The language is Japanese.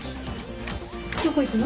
どこ行くの？